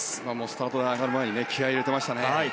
スタート台に上がる前に気合を入れていましたね。